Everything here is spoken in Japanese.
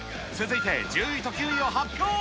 続いて１０位と９位を発表。